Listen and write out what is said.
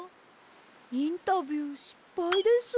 インタビューしっぱいです。